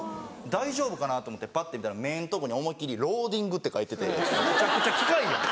大丈夫かなと思ってパッて見たら目のとこに思いっ切り「ローディング」って書いててめちゃくちゃ機械やん！